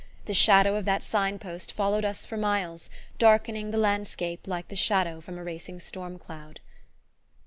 The shadow of that sign post followed us for miles, darkening the landscape like the shadow from a racing storm cloud.